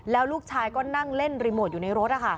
แล้วลูกชายก็นั่งเล่นรีโมทอยู่ในรถ